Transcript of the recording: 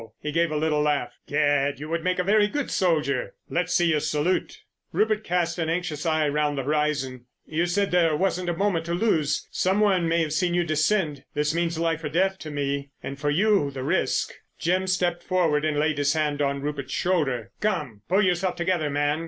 He gave a little laugh. "Gad, you would make a very good soldier. Let's see you salute." Rupert cast an anxious eye round the horizon. "You said there wasn't a moment to lose—some one may have seen you descend—this means life or death to me! ... and for you, the risk——" Jim stepped forward and laid his hand on Rupert's shoulder. "Come, pull yourself together, man.